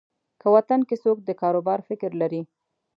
که وطن کې څوک د کاروبار فکر لري.